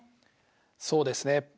そうですね。